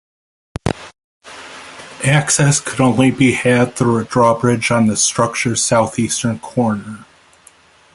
Access could only be had through a drawbridge on the structure's southeastern corner.